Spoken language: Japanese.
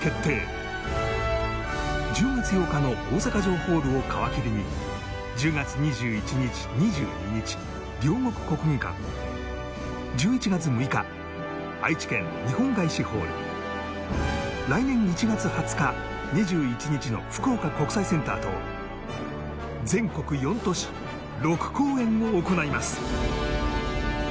１０月８日の大阪城ホールを皮切りに１０月２１日２２日両国国技館１１月６日愛知県日本ガイシホール来年１月２０日２１日の福岡国際センターと全国４都市６公演を行います